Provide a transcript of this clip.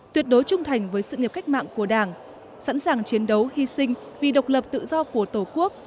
tuyệt đối trung thành với sự nghiệp cách mạng của đảng sẵn sàng chiến đấu hy sinh vì độc lập tự do của tổ quốc